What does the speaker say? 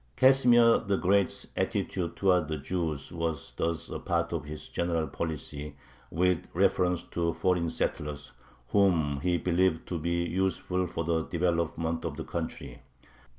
Casimir the Great's attitude towards the Jews was thus a part of his general policy with reference to foreign settlers, whom he believed to be useful for the development of the country.